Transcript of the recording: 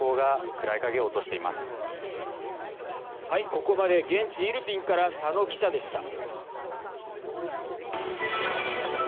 ここまで現地イルピンから佐野記者でした。